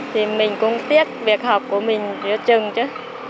thì mình cũng tiếc việc học của mình giữa chừng chứ